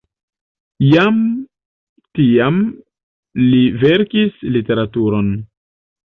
Jam tiam li verkis literaturon.